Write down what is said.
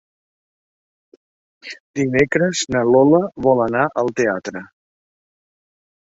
Dimecres na Lola vol anar al teatre.